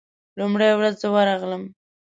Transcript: لومړۍ ورځ زه ورغلم.